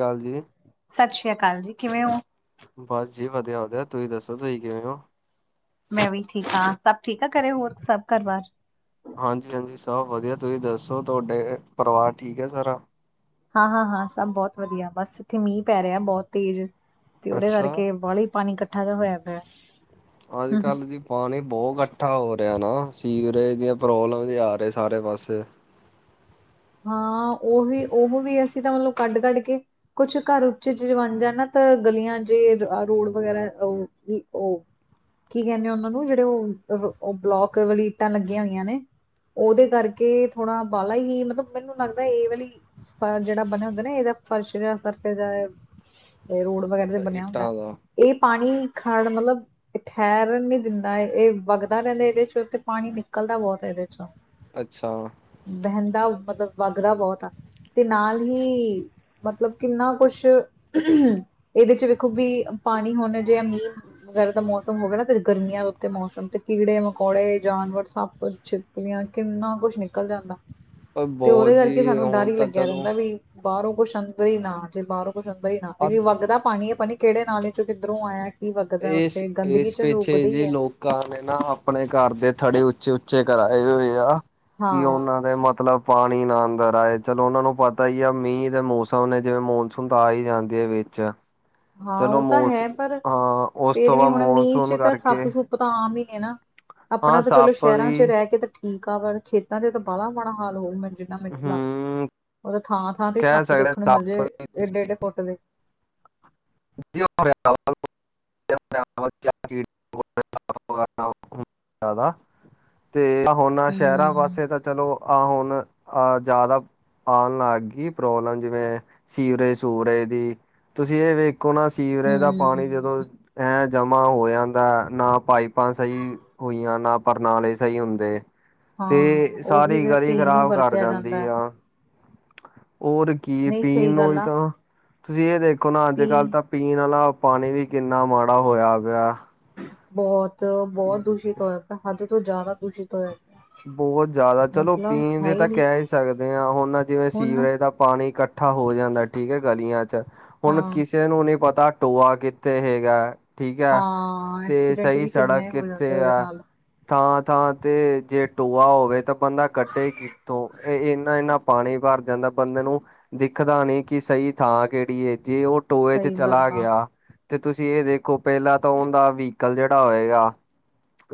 ਕਾਲ ਜੀ ਸਤ ਸ਼੍ਰੀ ਅਕਾਲ ਜੀ, ਕਿਵੇਂ ਓ? ਬਸ ਜੀ, ਵਧੀਆ- ਵਧੀਆ। ਤੁਸੀਂ ਦੱਸੋ, ਤੁਸੀ ਕਿਵੇਂ ਓ? ਮੈਂ ਵੀ ਠੀਕ ਹਾਂ, ਸਭ ਠੀਕ ਆ, ਘਰੇ ਹੋਰ ਸਭ ਘਰ-ਬਾਰ? ਹਾਂਜੀ- ਹਾਂਜੀ, ਸਭ ਵਧੀਆ। ਤੁਸੀਂ ਦੱਸੋ ਤੁਔਡੇ, ਪਰਿਵਾਰ ਠੀਕ ਹੈ ਸਾਰਾ? ਹਾਂ- ਹਾਂ, ਹਾਂ ਸਭ ਬੌਤ ਵਧੀਆ, ਬਸ ਇੱਥੇ ਮੀਂਹ ਪੈ ਰਿਆ ਬੌਤ ਤੇਜ਼। ਤੇ ਓਦੇ ਅੱਛਾ ਕਰਕੇ ਬਾਲ਼ਾ ਈ ਪਾਣੀ ਕੱਠਾ ਜਾ ਹੋਯਾ ਪਿਐ। ਅੱਜ-ਕੱਲ੍ਹ ਜੀ ਪਾਣੀ ਬੋਤ ਕੱਠਾ ਹੋ ਰਿਐ ਨਾ, ਸੀਵਰੇਜ ਦੀਆਂ ਪ੍ਰੋਬਲਮ ਵੀ ਆ ਰਏ ਸਾਰੇ ਪਾਸੇ। ਹਾਂ, ਓ ਵੀ, ਓਹ ਵੀ ਅਸੀਂ ਤਾਂ, ਮਤਲਬ ਕੱਢ-ਕੱਢ ਕੇ ਕੁਛ ਘਰ, ਉੱਚੇ ਜੇ ਬਣ ਜਾਣ ਨਾ ਤਾਂ ਗਲੀਆਂ ਜੇ ਆ ਰੋਡ ਵਗੈਰਾ ਓ ਬੀ ਓ ਕੀ ਕੈੰਦੇ ਓਨਾਂ ਨੂੰ ਜੇੜੇ ਓਹ ਅਹ ਬਲੋਕ ਵਾਲੀ ਇੱਟਾਂ ਲੱਗੀਆਂ ਹੋਈਆਂ ਨੇ? ਉਦੇ ਕਰਕੇ, ਥੋੜਾ ਬਾਲ਼ਾ ਹੀ ਮਤਲਬ- ਮੈਨੂੰ ਲੱਗਦੈ ਏ ਵਾਲੀ ਫ ਜੇੜਾ ਬਣੇਆ ਹੁੰਦੈ ਨਾ, ਇਹ ਫਰਸ਼ ਜਾ ਸਖਤ ਜੈਹਾ ਏ ਰੋਡ ਵਗੈਰਾ ਤੇ ਬਣਿਆ ਹੁੰਦੈ, ਇੱਟਾਂ ਦਾ ਏਹ ਪਾਣੀ ਖੜ ਮਤਲਬ ਏ ਠੈਰਣ ਨੀ ਦਿੰਦਾ, ਏ ਵਗਦਾ ਰੈੰਦਾ ਇਹਦੇ ਚੋਂ ਤੇ ਪਾਣੀ ਨਿਕਲਦਾ ਬੌਤ ਐਦੇ ਚੋਂ। ਅੱਛਾ। ਬੈਹੰਦਾ ਉਪਰ ਮਤਲਬ ਵੱਗਦਾ ਬਹੁਤ ਆ। ਤੇ ਨਾਲ ਹੀ ਮਤਲਬ ਕਿੰਨਾ ਕੁਛ, ਇਹਦੇ ਚ ਵੇਖੋ ਵੀ, ਪਾਣੀ ਹੁਣ ਜਿਹਾ ਮੀਂਹ ਵਗੈਰਾ ਦਾ ਮੌਸਮ ਹੋਵੇ ਨਾ, ਤੇ ਗਰਮੀਆਂ ਦੇ ਉੱਤੇ ਮੌਸਮ ਤੇ ਕੀੜੇ-ਮਕੌੜੇ, ਜਾਨਵਰ, ਸੱਪ, ਛਿਪ ਛੀਪਲੀਆਂ। ਕਿੰਨਾ ਕੁਛ ਨਿਕਲ ਜਾਂਦਾ ਤੇ, ਬਹੁਤ ਓਦੇ ਕਰਕੇ ਜੀ ਸਾਨੂੰ ਡਰ ਹੁਣ ਹੀ ਤਾਂ ਲੱਗਿਆ ਚਲੋ ਰਹਿੰਦਾ ਵੀ ਬਾਰੋਂ ਕੁਛ ਅੰਦਰ ਹੀ ਨਾ ਜੇ, ਬਾਰੋਂ ਕੁਛ ਅੰਦਰ ਹੀ ਨਾ ਅੱਧ ਆਵੇ, ਵੱਗਦਾ ਪਾਣੀ ਹੈ ਪਾਣੀ ਕੇਹੜੇ ਨਾਲੇ ਚ ਕਿੱਧਰੋ ਆਇਆ? ਕੀ ਵੱਗਦਾ ਉੱਥੇ, ਗੰਦਗੀ ਚ ਉੱਗਦੀ ਐ। ਘਾਰ ਦੇ ਨਾਂ ਆਪਣੇ, ਘਰ ਦੇ ਥੜੇ ਉੱਚੇ -ਉੱਚੇ ਕਰਾਏ ਹੋਏ ਆ। ਕੀ, ਹਾਂ ਓਨਾਂ ਦੇ ਮਤਲਬ ਪਾਣੀ ਨਾ ਅੰਦਰ ਆਏ। ਚਲੋ ਓਨਾਂ ਨੂੰ ਪਤਾ ਹੀ ਆ, ਮੀਂਹ ਦੇ ਮੌਸਮ ਨੇ ਜਿਵੇਂ, ਮੌਨਸੂਨ ਤਾਂ ਆ ਹੀ ਜਾਂਦੀ ਹੈ ਵਿੱਚ ਹਾਂ ਚਲੋ ਉਹ ਤਾਂ ਮੌਸ ਹੈ, ਪਰ ਹਾਂ ਉਸ ਤੋਂ ਫੇਰ ਵੀ ਬਾਅਦ ਹੁਣ ਮੀਂਹ ਮੌਨਸੂਨ ਚ ਤਾਂ ਕਰਕੇ ਸੱਪ- ਸੁੱਪ ਤਾਂ ਆਮ ਹੀ ਨੇ ਨਾ। ਆਪਣਾ ਹਾਂ ਤਾਂ ਚਲੋ ਸੱਪ ਸ਼ਹਿਰਾਂ ਚ ਵੀ ਰਹਿ ਕੇ ਤਾਂ ਠੀਕ ਆ, ਪਰ ਖੇਤਾਂ ਚ ਤਾਂ ਬਾਲ਼ਾ ਮਾੜਾ ਹਾਲ ਹੋਊ। ਮੈ ਨਾ ਮੈਨੂੰ ਲੱਗਦਾ। ਹੂੰ ਉਹ ਥਾਂ-ਥਾਂ ਤੇ ਕਹਿ ਸੱਪ ਸਕਦੇ ਦੇਖਣ ਨੂੰ ਮਿਲ ਸੱਪ ਜਾਏ ਵੀ ਏਡੇ- ਏਡੇ ਫੁੱਟ ਦੇ [unintelligible] [unintelligible] ਤੇ ਹੁਣ ਸ਼ਹਿਰਾਂ ਹਮ ਪਾਸੇ ਤਾਂ ਚਲੋ, ਆਹ ਹੁਣ ਅਹ ਜਾਦਾ ਆਣ ਲੱਗ ਗਈ ਪ੍ਰੋਬਲਮ, ਜਿਵੇਂ ਸੀਵਰੇਜ- ਸੁਵਰੇਜ ਦੀ, ਤੁਸੀਂ ਏ ਵੇਖ ਵੇਖੋ ਨਾ, ਸੀਵਰੇਜ ਦਾ ਪਾਣੀ ਜਦੋਂ ਹਮ ਐਂ ਜਮਾ ਹੋ ਜਾਂਦਾ, ਨਾ ਪਾਈਪਾਂ ਸਈ ਹੋਈਆਂ ਨਾ, ਪਰਨਾਲੇ ਸਹੀ ਹੁੰਦੇ ਹਾਂ ਤੇ, ਉਹੀ ਸਾਰੀ ਤੇ ਗਲੀ ਪੀਣ ਨੂੰ ਖ਼ਰਾਬ ਕਰ ਵਰਤਿਆ ਜਾਂਦਾ ਜਾਂਦੀ ਹੈ। ਆ। ਔਰ ਕੀ ਨਹੀਂ ਪੀਣ ਸਹੀ ਗੱਲ ਨੂੰ ਆ ਤਾਂ, ਤੁਸੀਂ ਇਹ ਦੇਖੋ ਨਾ, ਅੱਜ- ਵੀ ਕੱਲ੍ਹ ਤਾਂ ਪੀਣ ਆਲਾ ਪਾਣੀ ਵੀ, ਕਿੰਨਾ ਮਾੜਾ ਹੋਏਆ ਪੇਆ। ਬੋਹਤ -ਬੋਹਤ ਦੂਸ਼ਿਤ ਹੋਇਆ ਪੇਆ। ਹੱਦ ਤੋਂ ਜਾਦਾ ਦੂਸ਼ਿਤ ਹੋਏਆ। ਬਹੁਤ ਜ਼ਿਆਦਾ ਚਲੋ, ਪੀਣ ਹੈ ਦੇ ਤਾਂ ਨਹੀਂ ਕਹਿ ਹੀ ਸਕਦੇ ਹਾਂ ਹੁਣ ਨਾ ਜਿਵੇਂ ਹੁਣ ਸੀਵਰੇਜ ਦਾ ਪਾਣੀ ਕੱਠ ਕੱਠਾ ਹੋ ਜਾਂਦਾ ਠੀਕ ਹੈ ਗਾਲੀਆ ਚ, ਹੁਣ ਹਾਂ ਕਿਸੇ ਨੂੰ ਨਹੀਂ ਪਤਾ ਟੋਆ ਕਿੱਥੇ ਹੈਗਾ। ਠੀਕ ਐ, ਹਾਂ ਤੇ ਐਕਸੀਡੈਂਟ ਸਹੀ ਵੀ ਸੜਕ ਕਿੰਨੇ ਹੋ ਕਿੱਥੇ ਜਾਂਦੇ ਉਹਦੇ ਐ ਨਾਲ ਥਾਂ-ਥਾਂ ਤੇ ਜੇ ਟੋਆ ਹੋਵੇ, ਤਾਂ ਬੰਦਾ ਕੱਢੇ ਕੀ ਟੋਏ, ਇਹ ਇਨਾ-ਇਨਾ ਪਾਣੀ ਭਰ ਜਾਂਦਾ ਬੰਦੇ ਨੂੰ ਦਿਖਦਾ ਨਹੀਂ, ਕਿ ਸਹੀ ਥਾਂ ਕਿਹੜੀ ਜੇ ਉਹ ਟੋਏ ਚ ਸਹੀ ਗੱਲ ਚਲਾ ਆ ਗਿਆ। ਤੇ ਤੁਸੀਂ ਇਹ ਦੇਖੋ, ਪਹਿਲਾਂ ਤਾਂ ਉਹਦਾ ਵਹੀਕਲ ਜਿਹੜਾ ਹੋਏਗਾ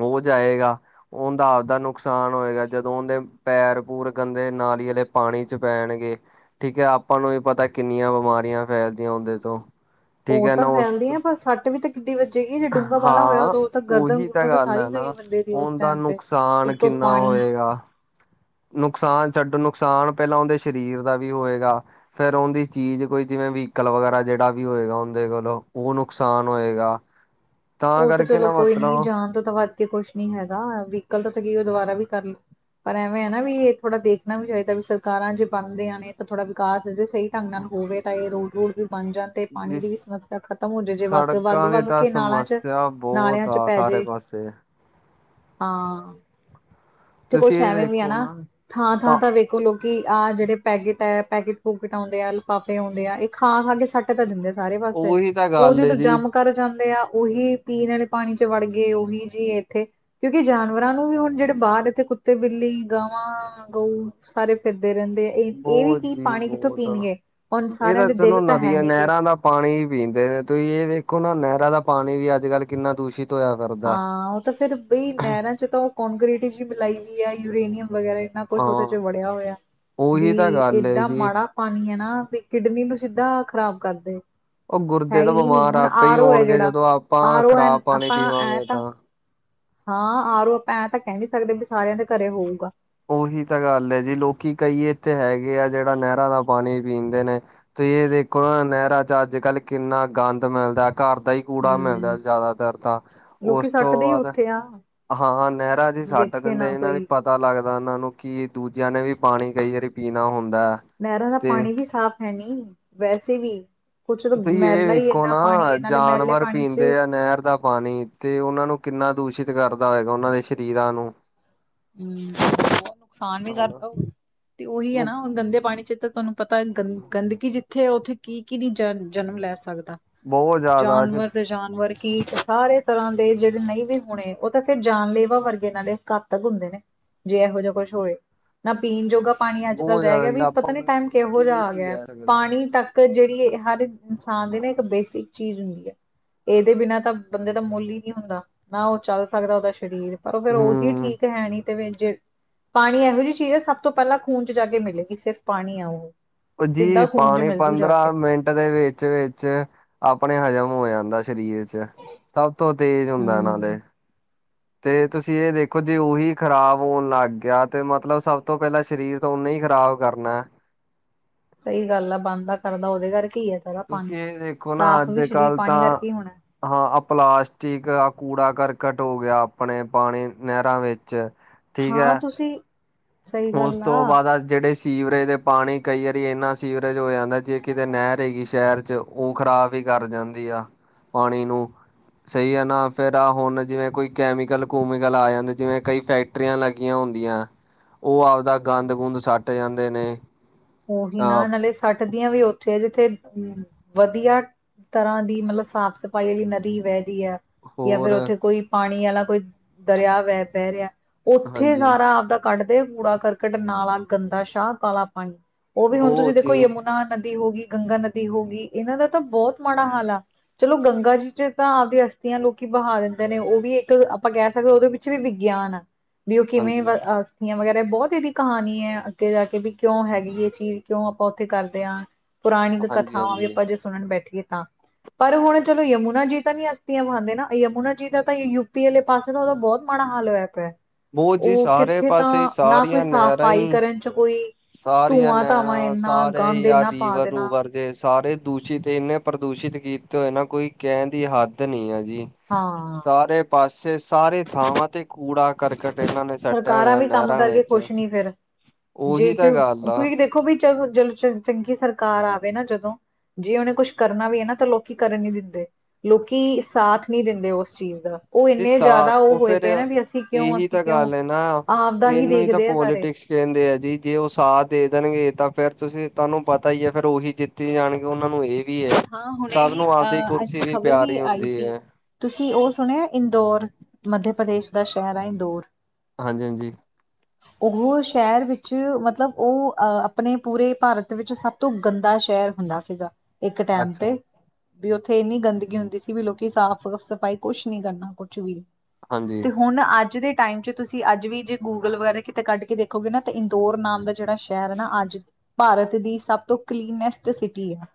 ਉਹ ਜਾਏਗਾ, ਉਹਦਾ ਆਪਦਾ ਨੂੰ ਨੁਕਸਾਨ ਹੋਏਗਾ, ਜਦੋਂ ਉਹਦੇ ਪੈਰ-ਪੂੂਰ ਕਦੇ ਨਾਲੀ ਵਾਲੇ ਪਾਣੀ ਚ ਪੈਣਗੇ। ਠੀਕ ਐ, ਆਪਾਂ ਨੂੰ ਵੀ ਪਤਾ ਕਿੰਨੀਆਂ ਬਿਮਾਰੀਆਂ ਫੈਲਦੀਆਂ ਉਹਦੇ ਤੋਂ, ਠੀਕ ਉਹ ਐ ਨਾ ਤਾਂ ਉਸ ਫੈਲਦੀ ਤੋਂ ਆ ਸੱਟ ਵੀ ਤਾਂ ਕਿੱਡੀ ਵੱਜੇਗੀ ਜੇ ਡੂੰਘਾ ਵਾਲਾ ਹੋਇਆ ਹਾਂ, ਉਦੋਂ ਉਹ ਤਾਂ ਗਰਦਨ ਉਹੀ ਤਾਂ ਗੁਰਦਨ ਗੱਲ ਹੈ ਸਾਰੀ ਨਾ, ਗਈ ਬੰਦੇ ਦੀ ਉਸ ਉਹ ਦਾ ਟਾਈਮ ਤੇ ਨੁਕਸਾਨ ਉੱਤੋਂ ਕਿੰਨਾ ਪਾਣੀ ਹੋਏਗਾ। ਨੁਕਸਾਨ ਛੱਡੋ ਨੁਕਸਾਨ ਪਹਿਲਾਂ ਉਹਦੇ ਸਰੀਰ ਦਾ ਵੀ ਹੋਏਗਾ। ਫਿਰ ਉਹਦੀ ਚੀਜ਼ ਕੋਈ ਜਿਵੇਂ ਵੀਹੀਕਲ ਵਗੈਰਾ ਜਿਹੜਾ ਵੀ ਹੋਏਗਾ, ਉਹਦੇ ਕੋਲੋਂ ਉਹ ਨੁਕਸਾਨ ਹੋਏਗਾ। ਉਹ ਤਾਂ ਕਰਕੇ ਚਲੋ ਨਾ ਕੋਈ ਨੀ ਮਤਲਬ ਜਾਨ ਤੋਂ ਤਾਂ ਵੱਧ ਕੁਛ ਨੀ ਹੈਗਾ ਵੀਕਲ ਤਾਂਕੀ ਉਹ ਦੁਬਾਰਾ ਵੀ ਕਰਲੇ, ਪਰ ਐਵੇਂ ਐ ਨਾ ਵੀ ਇਹ ਥੋੜਾ ਦੇਖ ਨਾ ਵੀ ਚਾਹੀਦਾ ਵੀ ਸਰਕਾਰਾਂ ਜੇ ਬਣਦੀਆਂ ਨੇ ਤਾਂ ਥੋੜਾ ਵਿਕਾਸ ਹੋਜੇ, ਸਹੀ ਢੰਗ ਨਾਲ ਹੋਵੇ ਤਾਂ ਇਹ ਰੋਡ-ਰੂਡ ਵੀ ਬਣ ਜਾਣ ਤੇ ਪਾਣੀ ਦੀ ਵੀ ਜਿਸ ਸਮੱਸਿਆ ਖਤਮ ਹੋਜੇ ਜੇ ਸੜਕਾਂ ਦੀ ਵੱਗ-ਵੱਗ ਤਾਂ ਕੇ ਨਾਲਾਂ ਚ [unintelligible] ਨਾਲਿਆਂ ਚ ਆ ਸਾਰੇ ਪੈਜੇ, ਪਾਸੇ ਹਾਂ। ਤੇ ਤੁਸੀਂ ਕੁਛ ਇਹ ਐਵੇਂ ਵੀ ਐ ਦੇਖੋ ਨਾ। ਥਾਂ-ਥਾਂ ਤਾਂ ਵੇਖੋ, ਲੋਕੀ ਆਹ ਜਿਹੜੇ ਪੈਕੇਟ ਹੈ ਪੈਕਟ-ਪੂਕੇਟ ਆਉਂਦੇ ਆ ਲਿਫਾਫੇ ਇਹ ਹਉਂਦੇ ਆ ਇਹ ਖਾ-ਖਾ ਕੇ ਸੱਟ ਤਾਂ ਦਿੰਦੇ ਆ ਸਾਰੇ ਪਾਸੇ, ਉਹੀ ਤਾਂ ਉਹ ਗੱਲ ਏ ਜਦੋਂ ਜੀ ਜੰਮ ਕਰ ਜਾਂਦੇ ਆ ਉਹੀ ਪੀਣ ਵਾਲੇ ਪਾਣੀ ਚ ਵੜ ਗਏ ਉਹੀ ਜੀ ਇੱਥੇ ਕਿਉਂਕਿ ਜਾਨਵਰਾਂ ਨੂੰ ਵੀ ਹੁਣ ਜਿਹੜੇ ਬਾਹਰ ਥੇ ਕੁੱਤੇ ਬਿੱਲੀ ਗਾਵਾਂ ਗਊ ਸਾਰੇ ਫਿਰਦੇ ਰਹਿੰਦੇ ਐ। ਇਹ-ਇਹ ਵੀ ਬਹੁਤ ਕੀ ਜੀ ਪਾਣੀ ਕਿੱਥੋਂ ਬਹੁਤ ਪੀਣਗੇ ਹੁਣ ਇਹ ਸਾਰਿਆਂ ਦੇ ਚਲੋ ਦਿਲ ਤਾਂ ਹੈ ਨਦੀਆਂ ਨਹੀਂ ਗੇ। ਨਹਿਰਾਂ ਦਾ ਪਾਣੀ ਪੀਂਦੇ ਨੇ ਤੁਸੀਂ ਇਹ ਵੇਖੋ ਨਾ ਨਹਿਰਾਂ ਦਾ ਪਾਣੀ ਵੀ ਅੱਜ ਕੱਲ ਕਿੰਨਾ ਦੂਸ਼ਿਤ ਹੋਇਆ। ਫਿਰਦਾ ਹਾਂ ਉਹ ਤਾਂ ਫੇਰ ਬਈ ਨਹਿਰਾਂ ਚ ਤਾਂ ਉਹ ਕੋਂਕਰੀਟ ਜੀ ਮਿਲਾਈ ਵੀ ਐ ਯੂਰੇਨੀਅਮ ਵਗੈਰਾ ਨਾ ਕੁਛ ਹਾਂ ਉਹਦੇ ਚ ਵੜਿਆ ਹੋਇਆ, ਉਹੀ ਤਾਂ ਵੀ ਗੱਲ ਏ ਏਦਾ ਜੀ ਮਾੜਾ ਪਾਣੀ ਐ ਨਾ ਵੀ ਕਿਡਨੀ ਨੂੰ ਸਿੱਧਾ ਖ਼ਰਾਬ ਕਰਦੇ। ਉਹ ਹੈ ਗੁਰਦੇ ਤਾਂ ਹੀ ਨਹੀਂ ਬਿਮਾਰ ਹੁਣ ਆਪੇ ਹੀ ਆਰ ਓ ਹੈ ਹੋਣਗੇ ਜਿਹੜਾ ਜਦੋਂ ਆਪਾਂ ਆਰ ਓ ਐ ਖ਼ਰਾਬ ਪਾਣੀ ਆਪਾਂ ਐ ਪੀਵਾਂਗੇ ਤਾਂ, ਹਾਂ ਆਰੋ ਆਪਾਂ ਐਂ ਤਾਂ ਕਹਿ ਨੀ ਸਕਦੇ ਵੀ ਸਾਰਿਆਂ ਦੇ ਘਰੇ ਹੋਊਗਾ। ਉਹੀ ਤਾਂ ਗੱਲ ਐ ਜੀ ਲੋਕੀ ਕਈ ਇੱਥੇ ਹੈਗੇ ਆ ਜਿਹੜਾ ਨਹਿਰਾਂ ਦਾ ਪਾਣੀ ਪੀਂਦੇ ਨੇ। ਤੁਸੀਂ ਇਹ ਦੇਖੋ ਨਾ ਨਹਿਰਾਂ ਚ ਅੱਜ-ਕੱਲ ਕਿੰਨਾ ਗੰਦ ਮਿਲਦਾ ਘਰ ਦਾ ਹੀ ਕੂੜਾ ਮਿਲਦਾ ਹਮ ਜ਼ਿਆਦਾਤਰ ਤਾਂ, ਲੋਕੀ ਉਸ ਤੋਂ ਸੱਟਦੇ ਹੀ ਬਾਅਦ ਉੱਥੇ ਆ ਹਾਂ ਨਹਿਰਾ ਜੀ ਸੱਟ ਵੇਖੇ ਨਾ ਦਿੰਦੇ ਇਹਨਾਂ ਨੇ ਕੋਈ ਪਤ ਪਤਾ ਲੱਗਦਾ ਇਹਨਾਂ ਨੂੰ ਕਿ ਦੂਜਿਆਂ ਨੇ ਵੀ ਪਾਣੀ ਕਈ ਵਾਰੀ ਪੀਣਾ ਹੁੰਦਾ। ਨਹਿਰਾਂ ਦਾ ਤੇ ਪਾਣੀ ਵੀ ਸਾਫ਼ ਹੈਨੀ ਵੈਸੇ ਵੀ ਕੁਛ ਤਾਂ ਤੁਸੀਂ ਇਹ ਮੈਲਾ ਹੀ ਵੇਖੋ ਇੰਨਾ ਪਾਣੀ ਨਾ ਹੈ ਨਾਲੇ ਮੈਲੇ ਜਾਨਵਰ ਪਾਣੀ ਪੀਂਦੇ ਚ ਆ ਨਹਿਰ ਦਾ ਪਾਣੀ ਤੇ ਉਹਨਾਂ ਨੂੰ ਕਿੰਨਾ ਦੂਸ਼ਿਤ ਕਰਦਾ ਹੋਏਗਾ, ਉਹਨਾਂ ਦੇ ਸਰੀਰਾਂ ਨੂੰ ਹੂੰ ਉਹ ਨੁਕਸਾਨ ਵੀ ਹਨਾ ਕਰਦਾ ਤੇ ਉਹੀ ਐ ਨਾ ਹੁਣ ਗੰਦੇ ਪਾਣੀ ਚ ਤਾਂ ਥੋਨੂੰ ਪਤਾ ਗੰਦਗੀ ਜਿੱਥੇ ਉੱਥੇ ਕੀ-ਕੀ ਨੀ ਜ ਜਨਮ ਲੈ ਸਕਦਾ। ਬਹੁਤ ਜ਼ਿਆਦਾ ਜੇ ਜਾਨਵਰ ਤੇ ਜਾਨਵਰ ਕੀ ਸਾਰੇ ਤਰ੍ਹਾਂ ਦੇ ਜਿਹੜੇ ਨਹੀਂ ਵੀ ਹੋਣੇ ਉਹ ਤਾਂ ਜਾਨਲੇਵਾ ਵਰਗੇ ਇਹਨਾਂ ਦੇ ਹੁੰਦੇ ਨੇ ਜੇ ਇਹੋ ਜਿਹਾ ਕੁਛ ਹੋਵੇ ਨਾ ਪੀਣ ਜੋਗਾ ਪਾਣੀ ਅੱਜ ਕੱਲ ਬਹੁਤ ਰਹਿ ਜ਼ਿਆਦਾ ਗਿਆ ਜੀ ਵੀ ਪਤਾ ਆਪਾਂ ਨੀ ਹੁਣ ਟਾਈਮ ਕਿਹੋ ਜਿਹਾ ਕਿਹਨੂੰ ਆ ਹੀ ਗਿਆ ਕਹਿ ਸਕਦੇ ਹਾਂ। ਪਾਣੀ ਤੱਕ ਇੱਕ ਜਿਹੜੀ ਹਰ ਇਨਸਾਨ ਦੇ ਨਾ ਇੱਕ ਬੇਸਿਕ ਚੀਜ਼ ਹੁੰਦੀ ਹੈ। ਇਹਦੇ ਬਿਨਾਂ ਤਾਂ ਬੰਦੇ ਦਾ ਮੁੱਲ ਹੀ ਨਹੀਂ‌ ਹੁੰਦਾ ਨਾ ਉਹ ਚੱਲ ਸਕਦਾ ਉਹਦਾ ਸਰੀਰ ਪਰ ਫਿਰ ਉਹੀ ਹੂੰ, ਠੀਕ ਹੈਣੀ ਦੇ ਵਿੱਚ ਪਾਣੀ ਇਹੋ ਜਿਹੀ ਚੀਜ਼ ਹੈ ਸਭ ਤੋਂ ਪਹਿਲਾਂ ਖੂਨ ਚ ਜਾ ਕੇ ਮਿਲੇਗੀ ਸਿਰਫ ਪਾਣੀ ਆ ਉਹ ਭੱਜੀ ਸਿੱਧਾ ਖੂਨ ਚ ਪਾਣੀ ਮਿਲਜੂ ਜਾ ਕੇ ਪੰਦਰਾਂ ਮਿੰਟ ਦੇ ਵਿੱਚ ਚ ਆਪਣੇ ਹਜ਼ਮ ਹੋ ਜਾਂਦਾ ਸਰੀਰ ਚ ਸਭ ਤੋਂ ਤੇਜ਼ ਹੁੰਦਾ ਹਮ ਨਾਲੇ ਤੇ ਤੁਸੀਂ ਇਹ ਦੇਖੋ ਜੇ ਉਹੀ ਖ਼ਰਾਬ ਹੋਣ ਲੱਗ ਗਿਆ ਤੇ ਮਤਲਬ ਸਭ ਤੋਂ ਪਹਿਲਾਂ ਸਰੀਰ ਉਹਨੇ ਹੀ ਖ਼ਰਾਬ ਕਰਨਾ ਸਹੀ ਗੱਲ ਆ ਬੰਦਾ ਕਰਦਾ ਉਹਦੇ ਘਰ ਕੀ ਆ ਤੁਸੀਂ ਇਹ ਦੇਖੋ ਨਾ ਅੱਜ ਕੱਲ ਪਾਣੀ ਤਾਂ ਕਰਕੇ ਹੀ ਹੋਣਾ ਹਾਂ ਆ ਪਲਾਸਟਿਕ ਆਹ ਕੂੜਾ ਕਰਕਟ ਹੋ ਗਿਆ ਆਪਣੇ ਪਾਣੀ ਨਹਿਰਾਂ ਵਿੱਚ ਠੀਕ ਹਾਂ ਹੈ। ਤੁਸੀਂ ਸਹੀ ਉਸ ਗੱਲ ਆ ਤੋਂ ਬਾਅਦ ਅੱਜ ਜਿਹੜੇ ਸੀਵਰੇਜ ਪਾਣੀ ਕਈ ਵਾਰੀ ਇੰਨਾ ਸੀਵਰੇਜ ਹੋ ਜਾਂਦਾ ਜੇ ਕਿਤੇ ਨਹਿਰ ਹੈਗੀ ਸ਼ਹਿਰ ਚ ਉਹ ਖ਼ਰਾਬ ਹੀ ਕਰ ਜਾਂਦੀ ਆ ਪਾਣੀ ਨੂੰ ਸਹੀ ਹੈ ਨਾ ਫਿਰ ਆਹ ਹੁਣ ਜਿਵੇਂ ਕੋਈ ਕੈਮੀਕਲ ਕੂਮੀਕਲ ਆ ਜਾਂਦੇ ਜਿਵੇਂ ਕਈ ਫੈਕ ਫੈਕਟਰੀਆਂ ਲੱਗੀਆਂ ਹੁੰਦੀਆਂ ਉਹ ਆਪਦਾ ਗੰਦ ਗੁੰਦ ਸੱਟ ਜਾਂਦੇ ਨੇ ਉਹੀ ਅ ਨਾ ਨਾਲੇ ਸੱਟ ਦੀਆਂ ਵੀ ਉੱਥੇ ਜਿੱਥੇ ਵਧੀਆ ਤਰ੍ਹਾਂ ਦੀ ਮਤਲਬ ਸਾਫ਼ ਸਫ਼ਾਈ ਨਦੀ ਵਹਿ ਦੀ ਹੈ। ਜਾਂ ਫਿਰ ਹੋਰ ਉੱਥੇ ਕੋਈ ਪਾਣੀ ਵਾਲਾ ਕੋਈ ਦਰਿਆ ਵਹਿ ਬਹਿ ਰਿਹਾ ਉੱਥੇ ਹਾਂਜੀ ਸਾਰਾ ਆਪਦਾ ਕੱਢਦੇ ਕੂੜਾ ਕਰਕਟ ਨਾਲਾ ਗੰਦਾ ਸ਼ਾਹ ਕਾਲਾ ਪਾਣੀ ਉਹ ਵੀ ਹੁਣ ਤੁਸੀਂ ਬਹੁਤ ਦੇਖੋ ਜੀ ਯਮੁ ਨਦੀ ਹੋ ਗਈ ਗੰਗਾ ਨਦੀ ਹੋ ਗਈ ਇਹਨਾਂ ਦਾ ਤਾਂ ਬਹੁਤ ਮਾੜਾ ਹਾਲ ਹੈ। ਚਲੋ ਗੰਗਾ ਜੀ ਚ ਤਾਂ ਆਪਦੀ ਅਸਥੀਆਂ ਲੋਕੀ ਬਹਾ ਦਿੰਦੇ ਨੇ ਉਹ ਵੀ ਇੱਕ ਆਪਾਂ ਕਹਿ ਸਕਦੇ ਉਹਦੇ ਵਿੱਚ ਉੱਚ ਵੀ ਵਿਗਿਆਨ ਆ ਵੀ ਉਹ ਕਿਵੇਂ ਹਾਂਜੀ ਆਸਤੀਆਂ ਵਗੈਰਾ ਬਹੁਤ ਇਹਦੀ ਕਹਾਣੀ ਹੈ ਅੱਗੇ ਜਾ ਕੇ ਵੀ ਕਿਉਂ ਹੈਗੀ ਹੈ। ਚੀਜ਼ ਕਿਉਂ ਆਪਾਂ ਉੱਥੇ ਕਰਦੇ ਹਾਂ ਪੁਰਾਣਿਕ ਹਾਂਜੀ ਕਥਾਵਾਂ ਵੀ ਹਾਂਜੀ ਆਪਾਂ ਜੇ ਸੁਣਨ ਬੈਠੀਏ ਤਾਂ ਪਰ ਹੁਣ ਚਲੋ ਯਮੁਨਾ ਜੀ ਤਾਂ ਨੀ ਅਸਤੀਆਂ ਬਨਦੇ ਨਾ ਯਮੁਨਾ ਜੀ ਦਾ ਤਾਂ ਯੂਪੀ ਵਾਲੇ ਪਾਸੇ ਦਾ ਉਹਦਾ ਬਹੁਤ ਮਾੜਾ ਹਾਲ ਹੋਇਆ ਪਿਆ ਬਹੁਤ ਜੀ ਉਹ ਸਾਰੇ ਕਿੱਥੇ ਤਾਂ ਪਾਸੇ ਨਾ ਕੋਈ ਸਾਰੀਆਂ ਨਹਿਰਾਂ ਸਫਾਈ ਹੀ ਕਰਨ ਚ ਕੋਈ ਸਾਰੀਆਂ ਧੂੰਆਂ ਧਾਵਾਂ ਨਹਿਰਾਂ ਇੰਨਾ ਸਾਰੇ ਹੀ ਗੰਦ ਆ ਇੰਨਾ ਪਾ ਰੀਵਰ ਦੇਣਾ ਰੂਵਰ ਜੇ ਸਾਰੇ ਦੂਸ਼ਿਤ ਇੰਨੇ ਪ੍ਰਦੂਸ਼ਿਤ ਕੀਤੇ ਹੋਏ ਨਾ ਕੋਈ ਕਹਿਣ ਦੀ ਹੱਦ ਨੀ ਆ ਜੀ ਹਾਂ ਸਾਰੇ ਪਾਸੇ ਸਾਰੇ ਥਾਵਾਂ ਤੇ ਕੂੜਾ ਕਰਕੇ ਕਟ ਇਹਨਾਂ ਨੇ ਸੱਟਿਆ ਸਰਕਾਰਾਂ ਹੋਇਆ ਵੀ ਕੰਮ ਨਹਿਰਾਂ ਕਰਕੇ ਵਿੱਚ ਖੁਸ਼ ਨੀ ਫਿਰ ਜੇ ਉਹੀ ਤਾਂ ਕਿ ਗੱਲ ਆ ਕਿਉਂਕਿ ਦੇਖੋ ਵੀ ਚ ਜਦੋਂ ਚੰਗੀ ਸਰਕਾਰ ਆਵੇ ਨਾ ਜਦੋਂ ਜੇ ਉਹਨੇ ਕੁਛ ਕਰਨਾ ਵੀ ਹੈ ਨਾ ਤਾਂ ਲੋਕੀ ਕਰਨ ਨੀ ਦਿੰਦੇ ਲੋਕੀ ਸਾਥ ਨਹੀਂ ਦਿੰਦੇ ਉਸ ਚੀਜ਼ ਦਾ ਉਹ ਇਹ ਇੰਨੇ ਸਾ ਜ਼ਿਆਦਾ ਉਹ ਹੋਏ ਫੇਰ ਪਏ ਨਾ ਵੀ ਅਸੀਂ ਕਿਉਂ ਇਹੀ ਅਸੀਂ ਤਾਂ ਕਿਉਂ ਗੱਲ ਹੈ ਨਾ ਆਪ ਦਾ ਹੀ ਇਹਨੂੰ ਤਾਂ ਦੇਖਦੇ ਆ ਸਾਰੇ ਪੋਲੀਟਿਕਸ ਕਹਿੰਦੇ ਆ ਜੀ ਜੇ ਉਹ ਸਾਥ ਦੇ ਦੇਣਗੇ ਤਾਂ ਫਿਰ ਤੁਸੀਂ ਤੁਹਾਨੂੰ ਪਤਾ ਹੀ ਹੈ ਫਿਰ ਉਹੀ ਜਿੱਤੀ ਜਾਣਗੇ ਉਹਨਾਂ ਨੂੰ ਇਹ ਵੀ ਹੈ ਹਾਂ ਹੁਣੇ ਸਭ ਹੀ ਨੂੰ ਆਪਦੀ ਅ ਇੱਕ ਕੁਰਸੀ ਵੀ ਖ਼ਬਰ ਪਿਆਰੀ ਆਈ ਹੁੰਦੀ ਸੀ। ਹੈ। ਤੁਸੀਂ ਉਹ ਸੁਣਿਆ ਇੰਦੌਰ ਮੱਧ ਪ੍ਰਦੇਸ਼ ਦਾ ਸ਼ਹਿਰ ਹੈ ਇੰਦੌਰ ਹਾਂਜੀ ਹਾਂਜੀ ਉਹ ਸ਼ਹਿਰ ਵਿੱਚ ਮਤਲਬ ਉਹ, ਅਹ, ਆਪਣੇ ਪੂਰੇ ਭਾਰਤ ਵਿੱਚ ਸਭ ਤੋਂ ਗੰਦਾ ਸ਼ਹਿਰ ਹੁੰਦਾ ਸੀਗਾ, ਇੱਕ ਟੈਮ ਅੱਛਾ ਤੇ। ਵੀ ਉੱਥੇ ਇੰਨੀ ਗੰਦਗੀ ਹੁੰਦੀ ਸੀ ਵੀ ਲੋਕੀ ਸਾਫ਼ -ਸਫ਼ਾਈ ਕੁਛ ਨੀ ਕਰਨਾ ਕੁਛ ਵੀ। ਹਾਂਜੀ। ਤੇ ਹੁਣ ਅੱਜ ਦੇ ਟਾਈਮ ਚ' ਤੁਸੀਂ ਅੱਜ ਵੀ ਜੇ ਗੂਗਲ ਵਗੈਰਾ ਕਿਤੇ ਕੱਢ ਕੇ ਦੇਖੋਗੇ ਨਾ ਤਾਂ ਇੰਦੋਰ ਨਾਮ ਦਾ ਜਿਹੜਾ ਸ਼ਹਿਰ ਹੈ ਨਾ ਅੱਜ ਭਾਰਤ ਦੀ ਸਭ ਤੋਂ ਕਲੀਨੈਸਟ ਸਿਟੀ ਹੈ।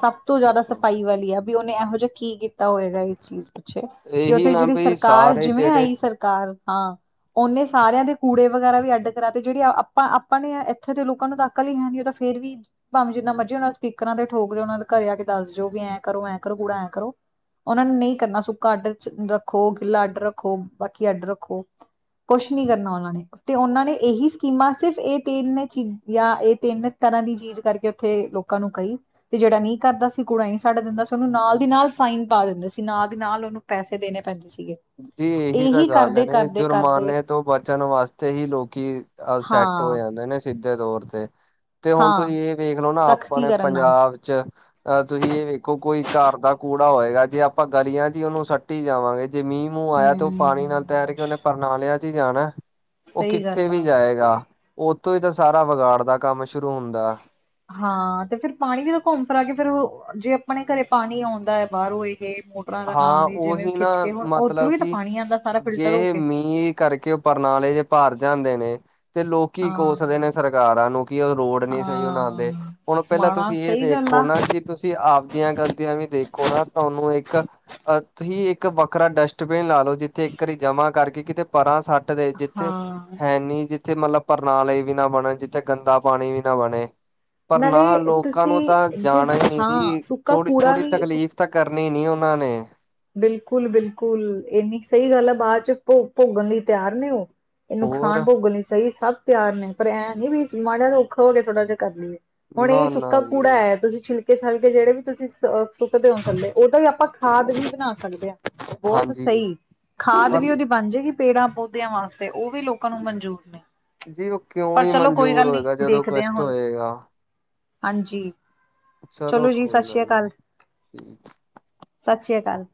ਸਭ ਤੋਂ ਜ਼ਿਆਦਾ ਅੱਛਾ ਸਫ਼ਾਈ ਵਾਲੀ ਆ ਵੀ ਉਹਨੇ ਇਹੋ ਜਿਹਾ ਕੀ ਕੀਤਾ ਹੋਏਗਾ ਇਸ ਚੀਜ਼ ਪੁੱਛੇ ਕਿ ਇਹੀ ਉੱਥੇ ਨਾ ਜਿਹੜੀ ਬਈ ਸਰਕਾਰ, ਸਾਰੇ ਜਿਵੇਂ ਜਿਹੜੇ ਆਈ ਸਰਕਾਰ ਹਾਂ। ਉਹਨੇ ਸਾਰਿਆਂ ਦੇ ਕੂੜੇ ਵਗੈਰਾ ਵੀ ਅੱਡ ਕਰਾ ਤੇ ਜਿਹੜੀ ਆਪਾਂ, ਆਪਾਂ ਨੇ ਇੱਥੇ ਦੇ ਲੋਕਾਂ ਨੂੰ ਤ ਨਕਲ ਹੈ ਨਹੀਂ ਉਹ ਫੇਰ ਵੀ ਭਾਵੇਂ ਜਿੰਨਾ ਮਰਜੀ ਉਹਨਾਂ ਸਪੀਰਾਂ ਤੇ ਠੋਕਓ ਉਹਨਾਂ ਘਰ ਆ ਕੇ ਦੱਸ ਜੋਓ ਵੀ ਐਂ ਕਰੋ ਐਂ ਕਰੋ ਕੂੜਾ ਐਂ ਕਰੋ। ਉਹ ਨੂੰ ਨਹੀਂ ਕਰਨਾ ਸੁੱਕਾ ਅੱਡ ਰੱਖੋ, ਗਿੱਲਾ ਅੱਡ ਰੱਖੋ, ਬਾਕੀ ਅੱਡ ਰੱਖੋ। ਕੁਛ ਨੀ ਕਰਨਾ ਉਹਨਾਂ ਨੇ। ਤੇ ਉਹਨਾਂ ਨੇ ਇਹੀ ਸਕੀਮਾਂ ਸਿਰਫ ਇਹ ਤਿੰਨ ਚੀਜ਼ ਜਾਂ ਇਹ ਤਿੰਨ ਤਰ੍ਹਾਂ ਦੀ ਚੀਜ਼ ਕਰਕੇ ਉੱਥੇ ਲੋਕ ਲੋਕਾਂ ਨੂੰ ਕਹੀ ਤੇ ਜਿਹੜਾ ਨੀ ਕਰਦਾ ਸੀ ਕੁੜਾ ਹੀ ਸਾਡਾ ਦਿੰਦਾ ਸੀ ਉਹਨੂੰ ਨਾਲ ਦੀ ਨਾਲ ਫਾਈਨ ਪਾ ਦਿੰਦੇ ਸੀ ਨਾਲ ਦੀ ਨਾਲ ਉਹਨੂੰ ਪੈਸੇ ਦੇਣੇ ਪੈਂ ਦੇ ਸੀਗੇ। ਜੀ ਇਹੀ ਤਾਂ ਗੱਲ ਕਰਦੇ ਨੇ ਕਰਦੇ ਕਰਦੇ ਜੁਰਮਾਨੇ ਤੋਂ ਬਚਣ ਵਾਸਤੇ ਹੀ ਲੋਕੀ ਸੈੱਟ ਹੋ ਹਾਂ ਜਾਂਦਾ ਨੇ। ਸਿੱਧੇ ਤੌਰ ਤੇ, ਤੇ ਹੁਣ ਤੁਸੀਂ ਹਾਂ ਇਹ ਵੇਖ ਲੋ ਨਾ ਸਖਤੀ ਆਪਣੇ ਕਰਨ ਨਾਲ ਪੰਜਾਬ ਚ' ਅ ਤੁਸੀਂ ਇਹ ਵੇਖੋ ਕੋਈ ਘਰ ਦਾ ਕੂੜਾ ਹੋਏਗਾ ਜੇ ਆਪਾਂ ਗਲੀਆਂ ਚ' ਹੀ ਉਹਨੂੰ ਸੱਟੀ ਜਾਵਾਂਗੇ। ਜੇ ਮੀਂਹ- ਮੂੰਹ ਆਇਆ ਤੇ ਉਹ ਹਮ ਪਾਣੀ ਨਾਲ ਤੈਰ ਕੇ ਉਹਨੇ ਪਰਨਾਲਿਆਂ ਚ' ਹੀ ਜਾਣਾ। ਉਹ ਸਹੀ ਕਿੱਥੇ ਗੱਲ ਵੀ ਆ ਜਾਏਗਾ, ਉੱਥੋਂ ਹੀ ਤਾਂ ਸਾਰਾ ਵਿਗਾੜ ਦਾ ਕੰਮ ਸ਼ੁਰੂ ਹੁੰਦਾ। ਹਾਂ। ਤੇ ਫੇਰ ਪਾਣੀ ਵੀ ਤਾਂ ਘੁੰਮ ਫਰਾ ਕੇ ਫੇਰ ਜੇ ਆਪਣੇ ਘਰੇ ਪਾਣੀ ਆਉਂਦਾ ਹੈ। ਬਾਹਰ ਹੋਏ ਮੋਟਰਾਂ ਦੇ ਹਾਂ ਨਾਲ ਹੀ ਜਿਵੇਂ ਉਹੀ ਨਾ ਖਿੱਚ ਕੇ ਹੁਣ ਉੱਧਰੋਂ ਮਤਲਬ ਹੀ ਤਾਂ ਕਿ ਪਾਣੀ ਆਉਂਦਾ ਸਾਰਾ ਫਿਲਟਰ ਹੋ ਜੇ ਕੇ। ਮੀਂਹ ਕਰਕੇ ਪਰਨਾਲੇ ਜੇ ਭਾਰ ਜਾਂਦੇ ਨੇ, ਤੇ ਲੋਕੀ ਕੋਸਦੇ ਨੇ ਹਾਂ ਸਰਕਾਰਾਂ ਨੂੰ। ਕਿ ਉਹ ਰੋਡ ਨ ਸਹੀ ਬਣਾਉਂਦੇ, ਹਾਂ ਹੁਣ ਪਹਿਲਾਂ ਮਾਣਾ ਤੁਸੀਂ ਇਹ ਸਹੀ ਗੱਲ ਦੇਖੋ ਆ ਨਾ ਕਿ ਤੁਸੀਂ ਆਪਦੀਆਂ ਗਲਤੀਆਂ ਵੀ ਦੇਖੋ ਨਾ ਤੁਹਾਨੂੰ ਇੱਕ ਅ ਤੁਸੀਂ ਇੱਕ ਵੱਖਰਾ ਡਸਟਬਿਨ ਲਾ ਲਓ ਜਿੱਥੇ ਇੱਕ ਘਾਰੀ ਜਮਾ ਕਰਕੇ ਕਿਤੇ ਪਰਾਂ ਸੱਟ ਦੇ, ਜਿੱਥੇ ਹਾਂ ਹੈਨੀ, ਜਿੱ ਜਿੱਥੇ ਮਤਲਬ ਪ੍ਰਣਾਲੇ ਵੀ ਨਾ ਬਣਨ ਜਿੱਥੇ ਗੰਦਾ ਪਾਣੀ ਵੀ ਨਾ ਬਣੇ। ਪਰ ਨਾ ਨਾਲੇ ਲੋਕਾਂ ਨੂੰ ਤਾਂ ਤੁਸੀਂ ਜੇ ਜਾਣਾ ਹੀ ਨਹੀਂ ਹਾਂ ਜੀ। ਸੁੱਕਾ ਥੋੜੀ ਕੂੜਾ -ਥੋੜ੍ਹੀ ਵੀ ਤਕਲੀਫ਼ ਤਾਂ ਕਰਨੀ ਨਹੀਂ ਉਹਨਾਂ ਨੇ। ਬਿਲਕੁਲ- ਬਿਲਕੁਲ। ਇੰਨੀ ਸਹੀ ਗੱਲ ਆ ਬਾਅਦ ਚ' ਭੋ- ਭੋਗਣ ਲਈ ਤਿਆਰ ਨੇ ਉਹ। ਇਹ ਨੁਕਸਾਨ ਹੋਰ ਭੋਗਣ ਲਈ ਸਹੀ ਸਭ ਪਿਆਰ ਨੇ, ਪਰ ਐਂ ਨੀ ਵੀ ਮਾੜਿਆਂ ਔਖਾ ਹੋ ਕੇ ਥੋੜ੍ਹਾ ਜਿਹਾ ਕਰ ਲਈਏ। ਹੁਣ ਇਹ ਨਾ ਨਾ ਸੁੱਕਾ ਕੂੜਾ ਜੀ ਹੈ ਤੁਸੀਂ ਛਿਕ ਛਲਕੇ ਜਿਹੜੇ ਵੀ ਤੁਸੀਂ ਸੁੱਕਦੇ ਹੋ ਸਕੱਲੇ, ਉਹਦਾ ਵੀ ਆਪਾਂ ਖਾਦ ਵੀ ਬਣਾ ਸਕਦੇ ਹਾਂ। ਬਹੁਤ ਹਾਂਜੀ। ਸਹੀ ਖਾਦ ਪਰ ਵੀ ਉਹਦੀ ਬਣ ਜਾਏਗੀ। ਪੇੜਾਂ- ਪੌਦਿਆਂ ਵਾਸਤੇ ਉਹ ਵੀ ਲੋਕਾਂ ਨੂੰ ਮਨਜੂਰ ਨੇ। ਜੀ ਉਹ ਕਿਉਂ ਪਰ ਹੀ ਚਲੋ ਕੋਈ ਮਨਜ਼ੂਰ ਗੱਲ ਨੀ ਹੋਏਗਾ ਜਦੋਂ ਦੇਖਦੇ ਹਾਂ ਕਸ਼ਟ ਹੁਣ ਹੋਏਗਾ। ਹਾਂਜੀ। ਚਲੋ ਜੀ ਸਤਿ ਸ੍ਰੀ ਅਕਾਲ। । [inaudible] ਸਤਿ ਸ਼੍ਰੀ ਅਕਾਲ।